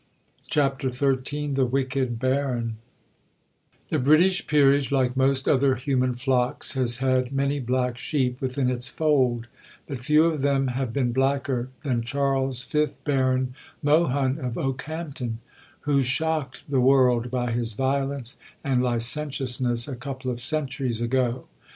CHAPTER XIII THE WICKED BARON The British Peerage, like most other human flocks, has had many black sheep within its fold; but few of them have been blacker than Charles, fifth Baron Mohun of Okehampton, who shocked the world by his violence and licentiousness a couple of centuries ago.